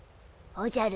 おじゃる！